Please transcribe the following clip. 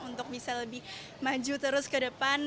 untuk bisa lebih maju terus ke depan